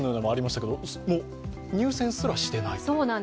もう、入選すらしていないと。